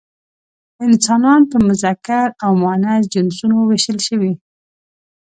انسانان په مذکر او مؤنث جنسونو ویشل شوي.